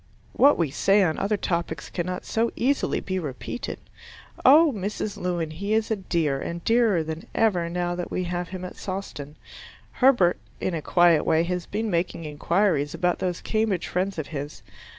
What we say on other topics cannot so easily be repeated! Oh, Mrs Lewin, he is a dear, and dearer than ever now that we have him at Sawston. Herbert, in a quiet way, has been making inquiries about those Cambridge friends of his.